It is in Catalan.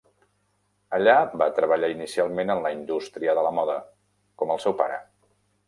Allà va treballar inicialment en la indústria de la moda, com el seu pare.